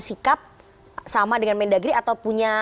sikap sama dengan mendagri atau punya